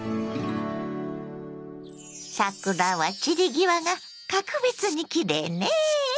桜は散り際が格別にきれいね！